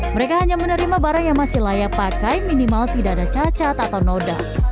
mereka hanya menerima barang yang masih layak pakai minimal tidak ada cacat atau noda